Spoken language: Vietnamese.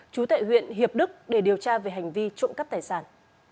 chú tại huyện hiệp đức để điều tra về hành vi trộm cắp tài sản